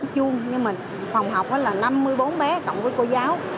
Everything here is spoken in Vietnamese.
chương như mình phòng học là năm mươi bốn bé cộng với cô giáo